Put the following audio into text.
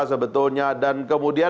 sebetulnya dan kemudian